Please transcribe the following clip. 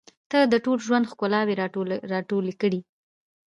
• ته د ټول ژوند ښکلاوې راټولې کړې.